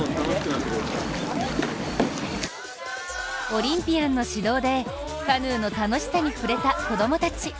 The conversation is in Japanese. オリンピアンの指導でカヌーの楽しさに触れた子供たち。